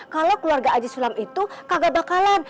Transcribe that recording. kalau keluarga aji sulam itu kagak bakalan